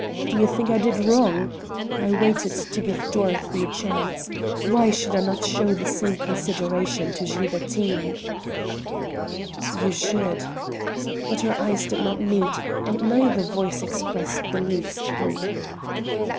Do you think I did wrong? I waited to give Dorothy a chance. Why should I not show the same consideration to Gilbertine?" "You should." But our eyes did not meet, and neither voice expressed the least hope.